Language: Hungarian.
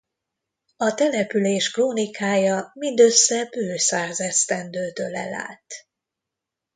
A település krónikája mindössze bő száz esztendőt ölel át.